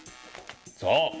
そう！